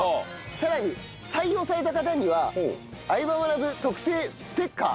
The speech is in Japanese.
さらに採用された方には『相葉マナブ』特製ステッカー